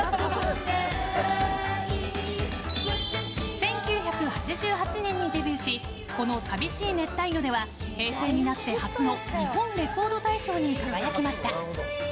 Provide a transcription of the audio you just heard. １９８８年にデビューしこの「淋しい熱帯魚」では平成になって初の日本レコード大賞に輝きました。